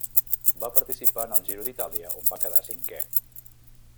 Va participar en el Giro d'Itàlia on va quedar cinquè.